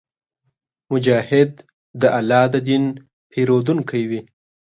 مجاهد د الله د دین پېرودونکی وي.